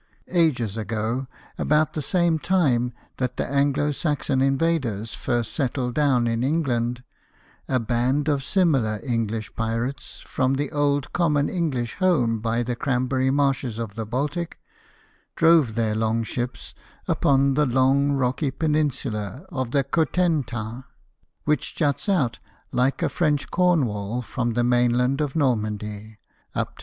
Ages ago, about the same time that the Anglo Saxon invaders first settled down in England, a band of similar English pirates, from the old common English home by the cranberry marshes of the Baltic, drove their long ships upon the long rocky peninsula of the Cotentin, which juts out, like a French Corn wall, from the mainland of Normandy up to JEAN FRANQOIS MILLET, PAINTER.